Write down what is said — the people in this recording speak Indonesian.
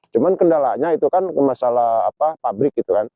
cuma kendalanya itu masalah pabrik